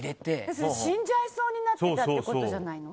それ、死んじゃいそうになってたってことじゃないの？